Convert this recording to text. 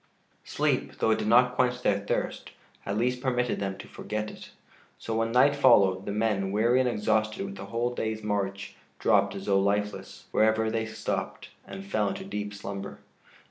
] Sleep, though it did not quench their thirst, at least permitted them to forget it; so when night followed, the men, weary and exhausted with the whole day's march, dropped as though lifeless, wherever they stopped, and fell into deep slumber.